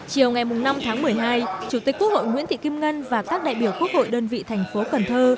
chiều ngày năm tháng một mươi hai chủ tịch quốc hội nguyễn thị kim ngân và các đại biểu quốc hội đơn vị thành phố cần thơ